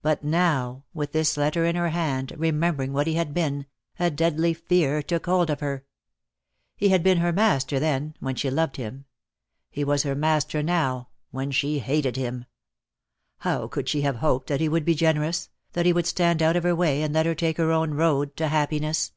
But now, with this letter in her hand, remembering what he had been, a deadly fear took hold of her. He had been her master then, when she loved him. He was her master now, when she hated him. How could she have hoped that he would be generous, that he would stand out of her way and let her take her own road to happiness?